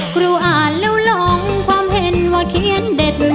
ครูอ่านแล้วลงความเห็นว่าเขียนเด็ดมือ